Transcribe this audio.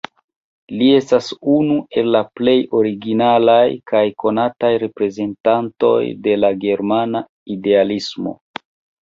Li estas unu el la plej originalaj kaj konataj reprezentantoj de la germana idealismo.